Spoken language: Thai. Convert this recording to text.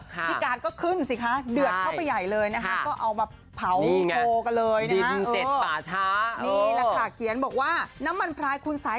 พี่การด์ก็คึ่มสิคะเดือดเข้าไปใหญ่เลยนะคะ